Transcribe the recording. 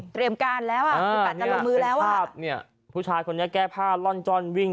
เตรียมการแล้วอ่าเป็นภาพเนี้ยผู้ชายคนนี้แก้ผ้าล่อนจ้อนวิ่ง